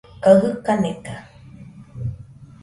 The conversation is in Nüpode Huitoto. kaɨ jɨka neka